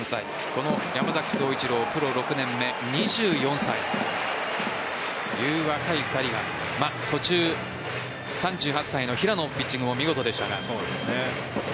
この山崎颯一郎プロ６年目、２４歳。という若い２人が途中、３８歳の平野のピッチングも見事でしたが。